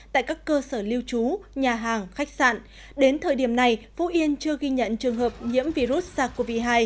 tại các cơ sở lưu trú nhà hàng khách sạn đến thời điểm này phú yên chưa ghi nhận trường hợp nhiễm virus sars cov hai